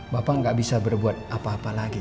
bapak nggak bisa berbuat apa apa lagi